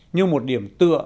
như một điểm tựa